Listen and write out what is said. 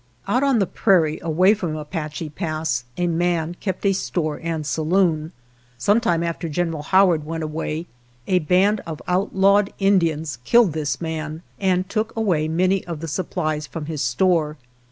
2 Out on the prairie away from Apache Pass a man kept a store and saloon. Some time after General Howard went away a band of outlawed Indians killed this man, and took away many of the supplies from his store.